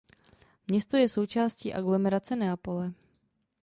Město je součástí aglomerace Neapole.